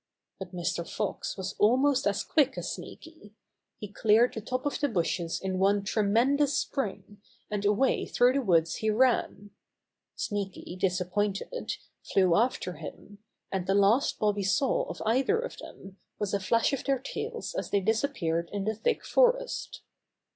But Mr. Fox was almost as quick as Sneaky. He cleared the tops of the bushes in one tre Bobby Has a Narrow Escape 109 mendous spring, and away through the woods he ran. Sneaky, disappointed, flew after him, and the last Bobby saw of either of them was a flash of their tails as they disappeared in the thick forest.